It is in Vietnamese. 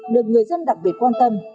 được người dân đặc biệt quan tâm